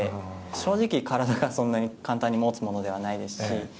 正直、体が簡単にもつものではないですし。